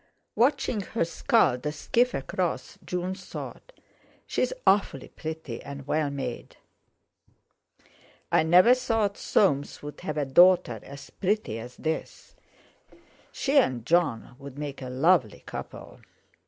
Watching her scull the skiff across, June thought: 'She's awfully pretty and well made. I never thought Soames would have a daughter as pretty as this. She and Jon would make a lovely couple.